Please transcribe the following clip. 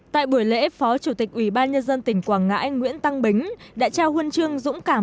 tại buổi lễ phó chủ tịch ủy ban nhân dân tỉnh quảng ngãi nguyễn tăng bính đã trao huân chương dũng cảm